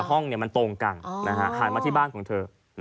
ห้องมันตรงกันหันมาที่บ้านของเธอ